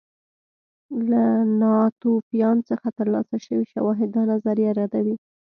له ناتوفیان څخه ترلاسه شوي شواهد دا نظریه ردوي